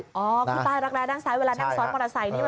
คือใต้รักแร้ด้านซ้ายเวลานั่งซ้อนมอเตอร์ไซค์นี่